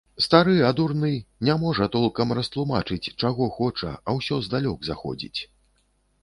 Стары, а дурны, не можа толкам растлумачыць, чаго хоча, а ўсё здалёк заходзіць.